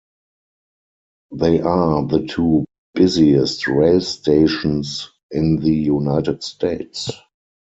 They are the two busiest rail stations in the United States.